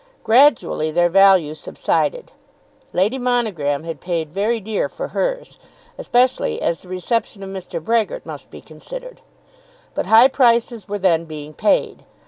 Gradually their value subsided. Lady Monogram had paid very dear for hers, especially as the reception of Mr. Brehgert must be considered. But high prices were then being paid.